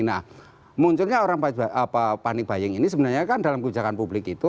nah munculnya orang panik baying ini sebenarnya kan dalam kebijakan publik itu